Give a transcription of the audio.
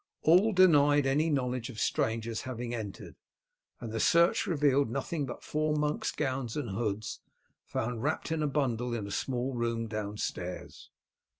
All denied any knowledge of strangers having entered, and the search revealed nothing but four monks' gowns and hoods found wrapped up in a bundle in a small room downstairs.